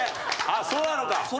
あっそうなのか。